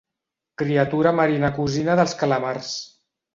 Criatura marina cosina dels calamars.